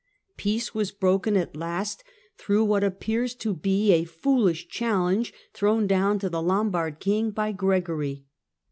Peace was broken at last through what appears to be a foolish challenge thrown down to the Lombard king by Gregory.